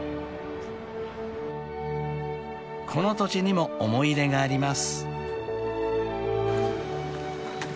［この土地にも思い入れがあります］